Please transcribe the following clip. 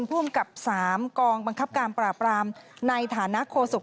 ภูมิกับ๓กองบังคับการปราบรามในฐานะโคศก